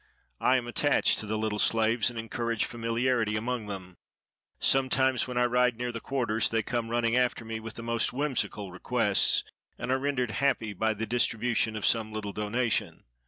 I am attached to the little slaves, and encourage familiarity among them. Sometimes, when I ride near the quarters, they come running after me with the most whimsical requests, and are rendered happy by the distribution of some little donation.